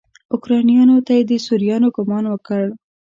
اوکرانیانو ته یې د سوريانو ګمان وکړ.